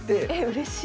うれしい！